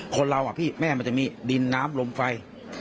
คนเราอะพี่แม่มันจะมีดินน้ำลมไฟ